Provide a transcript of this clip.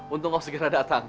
untung kau segera datang